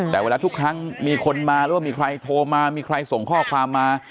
แต่เวลาทุกครั้งมีคนมาหรือว่ามีใครโทรมามีใครส่งข้อความมา